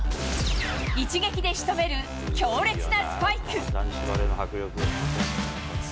一撃でしとめる、強烈なスパイク。